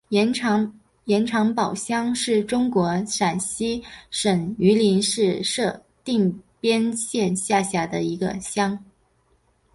盐场堡乡是中国陕西省榆林市定边县下辖的一个乡。